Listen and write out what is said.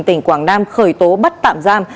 tỉnh quảng nam khởi tố bắt tạm giam